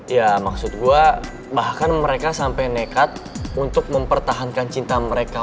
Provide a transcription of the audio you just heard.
ya maksud gue bahkan mereka sampai nekat untuk mempertahankan cinta mereka